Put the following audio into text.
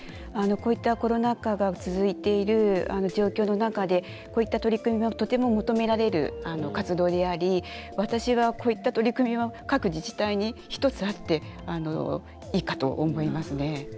こういったコロナ禍が続いている状況の中でこういった取り組みはとても求められる活動であり私は、こういった取り組みが各自治体に１つあっていいかと思いますね。